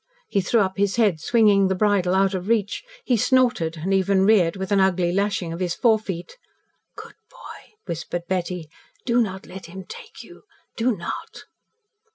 He threw up his head, swinging the bridle out of reach; he snorted, and even reared with an ugly lashing of his forefeet. "Good boy!" whispered Betty. "Do not let him take you do not!"